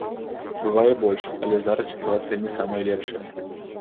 Бывае і больш, але зараз сітуацыя не самая лепшая.